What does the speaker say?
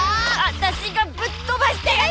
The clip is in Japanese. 私がぶっ飛ばしてやる！